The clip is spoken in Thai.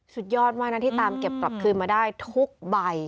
สุดยอดมากนะที่ตามเก็บกลับคืนมาได้ทุกใบ